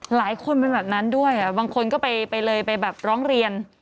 หลายคนเป็นแบบนั้นด้วยบางคนก็ไปเลยไปแบบร้องเรียน